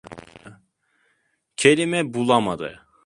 Kelime bulamadı.